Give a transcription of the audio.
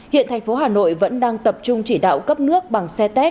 hiện thành phố hà nội vẫn đang tập trung chỉ đạo cấp nước bằng xe tét